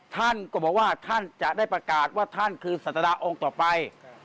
ท่านก็บอกว่าท่านจะได้ประกาศว่าท่านคือศาสดาองค์ต่อไป